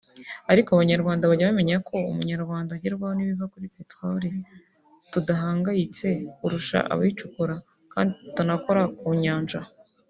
Ariko Abanyarwanda bajya bamenya ko Umunyarwanda agerwaho n’ibiva kuri Peteroli tudahangayitse kurusha abayicukura kandi tutanakora ku nyanja